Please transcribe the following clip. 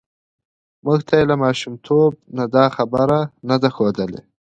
موږ ته یې له ماشومتوب نه دا خبره نه ده ښودلې